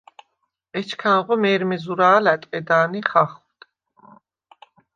ეჩქანღო მე̄რმე ზურა̄ლ ა̈დყედა̄ნე ხახუ̂დ.